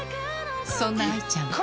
そんな愛ちゃん